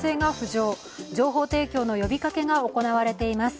情報提供の呼びかけが行われています。